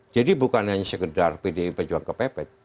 jadi bukan hanya sekedar bdi pejuang kepepet